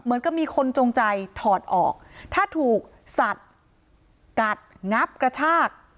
เหมือนกับมีคนจงใจถอดออกถ้าถูกสัตว์กัดงับกระชาก